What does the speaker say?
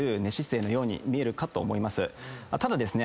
ただですね